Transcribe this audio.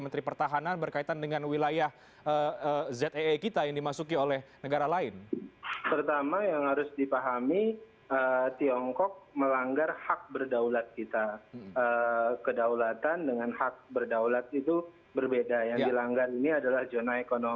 terima kasih pak prabowo